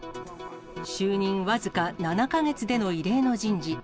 就任僅か７か月での異例の人事。